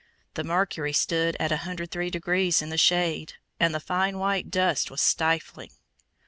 The mercury stood at 103 degrees in the shade, and the fine white dust was stifling.